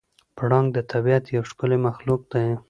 پړانګ د طبیعت یو ښکلی مخلوق دی.